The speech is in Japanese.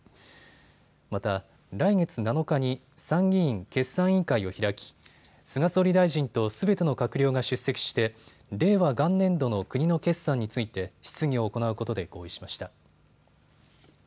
また、来月７日に参議院決算委員会を開き菅総理大臣とすべての閣僚が出席して令和元年度の国の決算について質疑を行うことで合意しました。